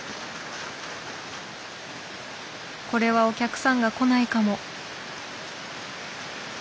これはお客さんが来ないかも。